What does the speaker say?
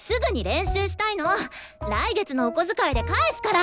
来月のお小遣いで返すから！